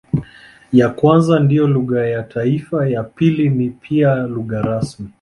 Ya kwanza ndiyo lugha ya taifa, ya pili ni pia lugha rasmi.